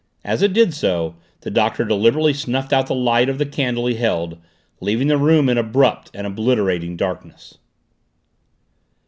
As it did so the Doctor deliberately snuffed out the light of the candle he held, leaving the room in abrupt and obliterating darkness.